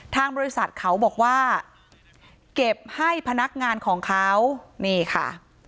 ทางบริษัทเขาบอกว่าเก็บให้พนักงานของเขานี่ค่ะ